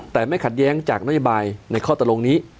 แต่ไม่ขัดแย้งจากนโยบายในข้อตกลงนี้